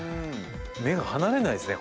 目が離れないですね